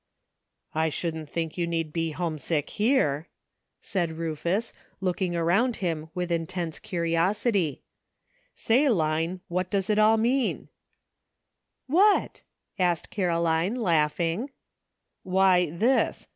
"I shouldn't think you need be homesick here," said Rufus, looking around him with intense curiosity. "Say, Line, what does it all mean ?" ENTERTAINING COMPANY. 279 ''What?" asked Caroline, laughing. "Why, this.